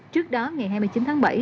trước đó ngày hai mươi chín tháng bảy